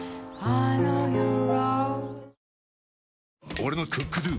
俺の「ＣｏｏｋＤｏ」！